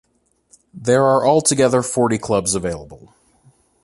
There are altogether forty clubs available.